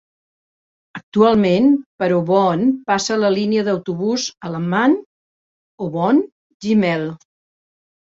Actualment, per Aubonne passa la línia d'autobús Allaman - Aubonne - Gimel.